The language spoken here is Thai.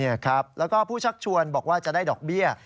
นี่ครับแล้วก็ผู้ชักชวนบอกว่าจะได้ดอกเบี้ย